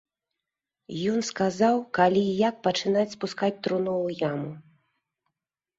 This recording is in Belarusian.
Ён сказаў, калі і як пачынаць спускаць труну ў яму.